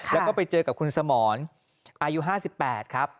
แล้วก็ไปเจอกับคุณสมรอายุ๕๘ครับ